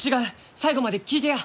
最後まで聞いてや！